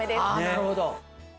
なるほど。